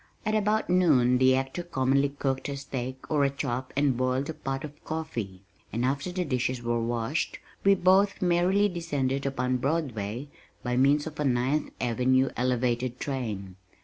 At about noon the actor commonly cooked a steak or a chop and boiled a pot of coffee, and after the dishes were washed, we both merrily descended upon Broadway by means of a Ninth Avenue elevated train.